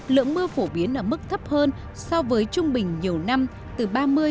lượng mưa phổ biến ở mức thấp hơn so với trung bình nhiều năm từ ba mươi bảy mươi